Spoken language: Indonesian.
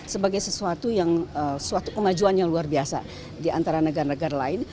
sebagai sesuatu yang suatu kemajuan yang luar biasa di antara negara negara lain